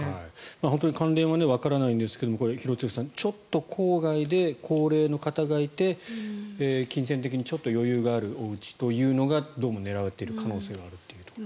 本当に関連はわからないんですが廣津留さん、ちょっと郊外で高齢の方がいて金銭的にちょっと余裕があるおうちというのがどうも狙われている可能性があるということですね。